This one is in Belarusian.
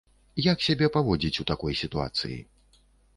Як сябе паводзіць у такой сітуацыі?